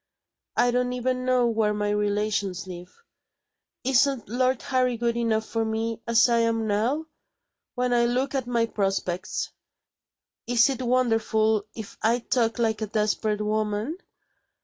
I don't even know where my relations live. Isn't Lord Harry good enough for me, as I am now? When I look at my prospects, is it wonderful if I talk like a desperate woman?